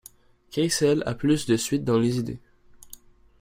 Keisel a plus de suite dans les idées.